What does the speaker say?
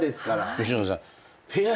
吉永さん。